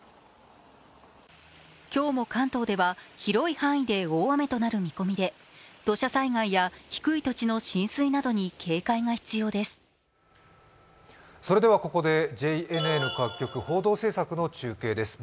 今日も関東では広い範囲で大雨となる見込みで土砂災害や低い土地の浸水などに警戒が必要です。